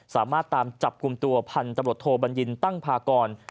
สามารถตามจับกลุ่มตัวพันธุ์ตำรวจโทบัญญินตั้งพากร